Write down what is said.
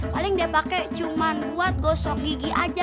paling dia pakai cuma buat gosok gigi aja